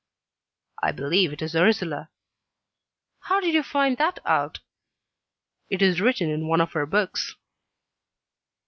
"I believe it is Ursula." "How did you find that out?" "It is written in one of her books."